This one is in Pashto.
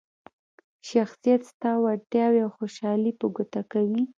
شخصیت ستا وړتیاوې او خوشحالي په ګوته کوي.